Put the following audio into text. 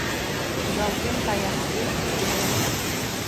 Кудалтен каяш пеш йӧсӧ.